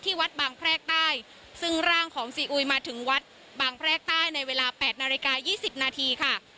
วัดบางแพรกใต้ซึ่งร่างของซีอุยมาถึงวัดบางแพรกใต้ในเวลา๘นาฬิกา๒๐นาทีค่ะ